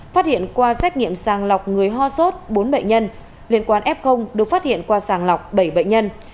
phát hiện qua xét nghiệm sàng lọc người ho sốt bốn bệnh nhân liên quan f được phát hiện qua sàng lọc bảy bệnh nhân